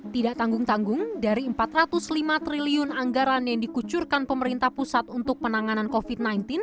tidak tanggung tanggung dari empat ratus lima triliun anggaran yang dikucurkan pemerintah pusat untuk penanganan covid sembilan belas